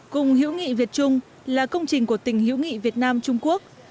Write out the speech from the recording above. cung hiểu nghị việt trung là công trình của tỉnh hiểu nghị việt nam trung quốc